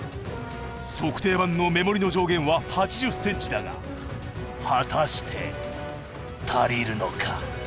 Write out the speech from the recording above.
測定板の目盛りの上限は８０ｃｍだが果たして足りるのか？